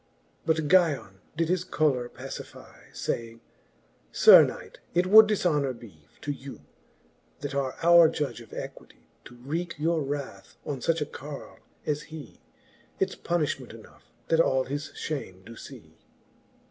But Guyon did his choler pacify, Saying, Sir knight^ it would difhonour bee To you, that are our judge of equity, To wreake your wrath on fuch a carle as hee ; It's punifhment enough that all his fliame doe lee.